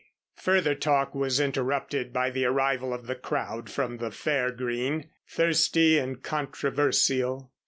Further talk was interrupted by the arrival of the crowd from the fair green, thirsty and controversial.